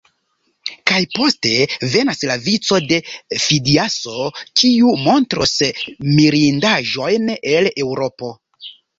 Kaj poste venas la vico de Fidiaso, kiu montros mirindaĵojn el Eŭropo.